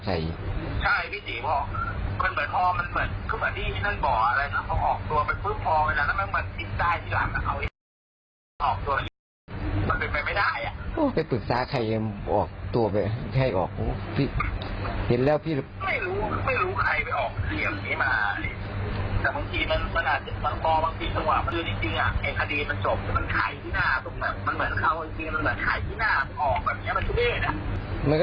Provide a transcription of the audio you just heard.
ใช่พี่จี๋บอกมันเหมือนพ่อมันเหมือนเหมือนที่นั่นบ่ออะไรนะ